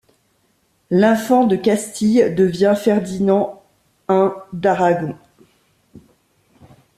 L'infant de Castille devient Ferdinand I d'Aragon.